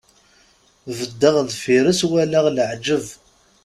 Beddeɣ deffir-s, walaɣ leɛǧeb.